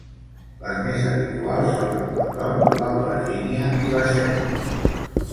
les més habituals són el pebrot, l'albergínia i la ceba